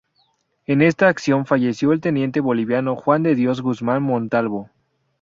En esta acción falleció el teniente boliviano Juan de Dios Guzmán Montalvo.